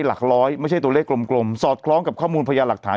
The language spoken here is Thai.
หลักร้อยไม่ใช่ตัวเลขกลมสอดคล้องกับข้อมูลพยานหลักฐาน